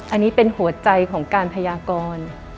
อันนี้เป็นหัวใจของการพยากร